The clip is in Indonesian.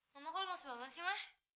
mama kok lu mas banget sih ma